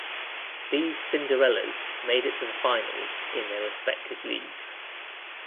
These Cinderellas made it to the finals in their respective leagues.